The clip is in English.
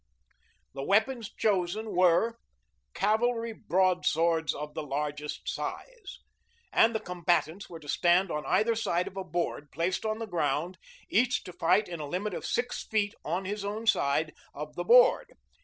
The weapons chosen were "cavalry broadswords of the largest size"; and the combatants were to stand on either side of a board placed on the ground, each to fight in a limit of six feet on his own side of the board.